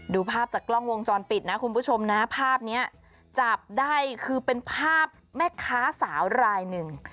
ดูภาพจากกล้องวงจรปิดนะคุณผู้ชมนะภาพนี้จับได้คือเป็นภาพแม่ค้าสาวรายหนึ่ง